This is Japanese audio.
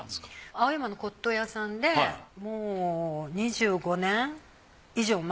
青山の骨董屋さんでもう２５年以上前。